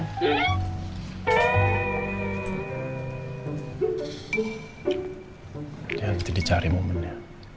ini nanti dicari momennya